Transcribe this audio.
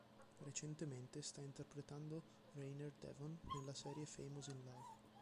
Recentemente sta interpretando Rainer Devon nella serie "Famous in Love".